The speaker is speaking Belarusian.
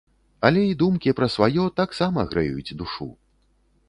Але і думкі пра сваё таксама грэюць душу.